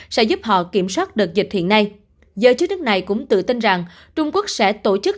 sẽ giúp họ kiểm soát đợt dịch hiện nay giới chức nước này cũng tự tin rằng trung quốc sẽ tổ chức